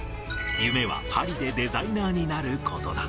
夢はパリでデザイナーになることだ。